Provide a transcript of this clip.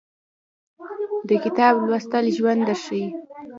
د کتاب لوستل ژوند درښایي